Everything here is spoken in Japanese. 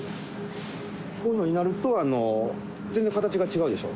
こういうのになると、全然形が違うでしょ。